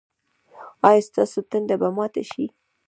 ایا ستاسو تنده به ماته شي؟